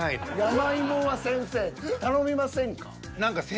山芋は先生頼みませんか？